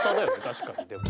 確かにでも。